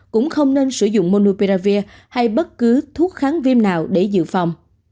cũng không nên sử dụng monuperavir hay bất cứ thuốc kháng viêm nào để dự phòng